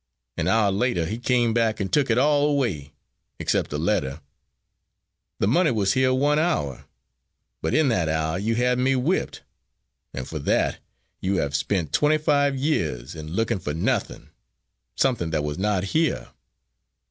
An hour later he came back and took it all away, except the letter! The money was here one hour, but in that hour you had me whipped, and for that you have spent twenty five years in looking for nothing something that was not here!